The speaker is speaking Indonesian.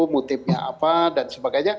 motifnya apa dan sebagainya